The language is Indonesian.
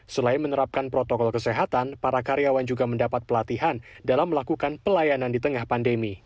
selain menerapkan protokol kesehatan para karyawan juga mendapat pelatihan dalam melakukan pelayanan di tengah pandemi